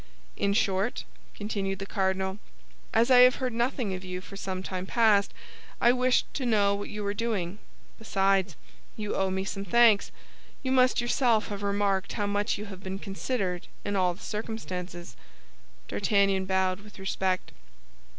"In short," continued the cardinal, "as I have heard nothing of you for some time past, I wished to know what you were doing. Besides, you owe me some thanks. You must yourself have remarked how much you have been considered in all the circumstances." D'Artagnan bowed with respect.